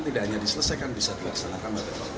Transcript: tidak hanya diselesaikan bisa dilaksanakan